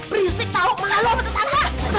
berisik tauk melalui motor tangga